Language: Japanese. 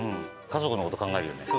家族の事考えるよね。